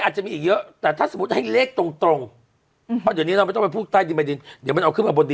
ใช่ว่ามันอะไรยังไง